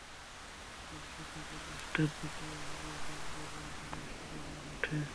শীর্ষে থাকা লেস্টার সিটিও আগের দিন ড্র করেছে ওয়েস্ট ব্রমের মাঠে।